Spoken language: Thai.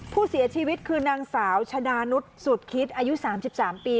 ผู้เสียชีวิตคือนางสาวชะดานุษย์สุดคิดอายุ๓๓ปี